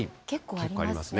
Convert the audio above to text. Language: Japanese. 結構ありますね。